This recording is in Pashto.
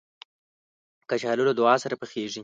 کچالو له دعا سره پخېږي